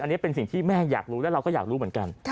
อันนี้เป็นสิ่งที่แม่อยากรู้และเราก็อยากรู้เหมือนกัน